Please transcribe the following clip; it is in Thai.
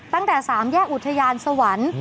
ตั้งแต่๓แยกอุทยานสวรรค์